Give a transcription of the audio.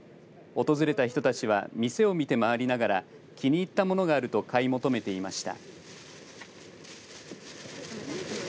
訪れた人たちは店を見て回りながら気に入ったものがあると買い求めていました。